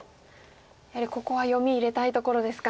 やはりここは読み入れたいところですか。